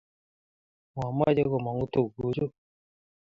mamoche komongu tuguu chuu.